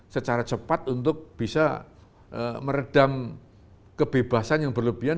secara cepat untuk bisa meredam kebebasan yang berlebihan